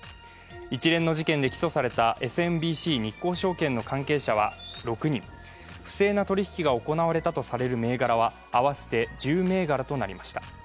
一連の事件で起訴されたＳＭＢＣ日興証券の関係者は６人、不正な取引きが行われたとされる銘柄は、合わせて１０銘柄となりました。